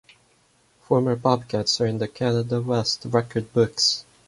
Former Bobcats are in the Canada West record books.